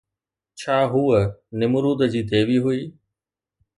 ڇا هوءَ نمرود جي ديوي هئي؟